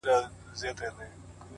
• په دنیا کي چي تر څو جبر حاکم وي,